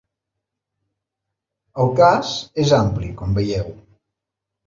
El cas és ampli, com veieu.